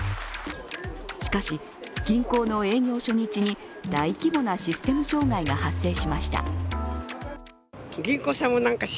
しかし、銀行の営業初日に大規模なシステム障害が発生しました。